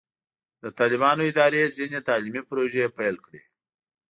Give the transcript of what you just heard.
د طالبانو اداره ځینې تعلیمي پروژې پیل کړې.